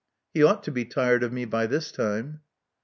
He ought to be tired of me by this time."